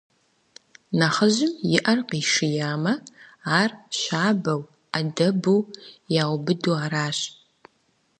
Нэхъыжьым и Ӏэр къишиямэ, ар щабэу Ӏэдэбу яубыду аращ.